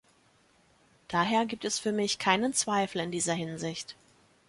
Daher gibt es für mich keinen Zweifel in dieser Hinsicht.